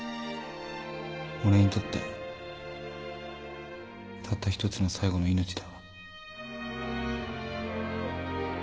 俺にとってたった一つの最後の命だから。